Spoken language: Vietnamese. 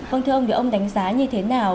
vâng thưa ông thì ông đánh giá như thế nào